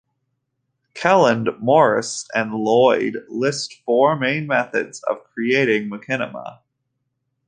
Kelland, Morris, and Lloyd list four main methods of creating machinima.